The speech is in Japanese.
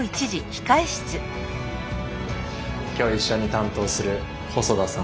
今日一緒に担当する細田さん。